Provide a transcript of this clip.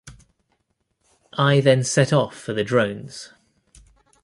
I then set off for the Drones.